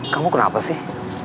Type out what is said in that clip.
kamu kenapa sih